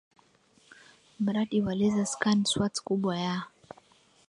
mradi kwa laser Scan swaths kubwa ya